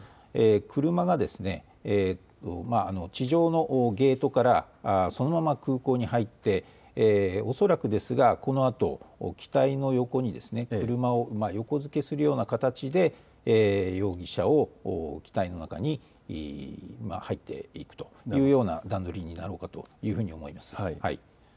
車が地上のゲートからそのまま空港に入って恐らくですが、このあと機体の横に車を横付けするような形で容疑者、機体の中に入っていくというような段取りになろうかと思います。